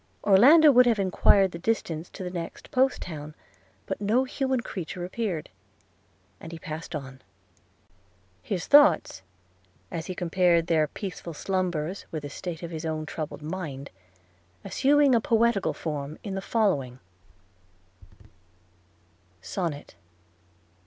Orlando would have enquired the distance to the next post town, but no human creature appeared – and he passed on; his thoughts (as he compared their peaceful slumbers with the state of his own troubled mind) assuming a poetical form, in the following SONNET.